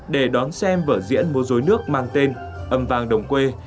để đón xem vở diễn mô rối nước mang tên âm vàng đồng quê